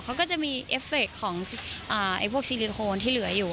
เขาก็จะมีเอฟเฟคของพวกซีลิโคนที่เหลืออยู่